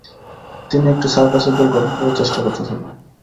তিনি একটি সার্কাসের দল গঠন করার চেষ্টা করতে থাকেন।